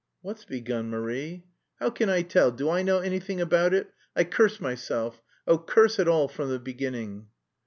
"What's begun, Marie?" "How can I tell! Do I know anything about it?... I curse myself! Oh, curse it all from the beginning!"